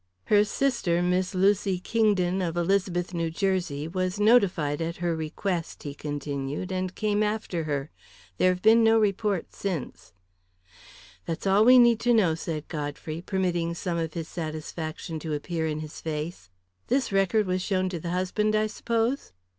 "Her sister, Miss Lucy Kingdon, of Elizabeth, New Jersey, was notified at her request," he continued, "and came after her. There have been no reports since." "That's all we need to know," said Godfrey, permitting some of his satisfaction to appear in his face. "This record was shown to the husband, I suppose?"